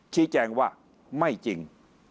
ชี้แจงว่าไม่จริง